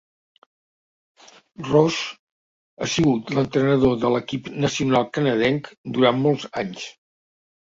Ross ha sigut l'entrenador de l'equip nacional canadenc durant molts anys.